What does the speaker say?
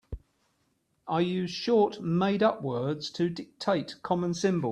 I use short made-up words to dictate common symbols.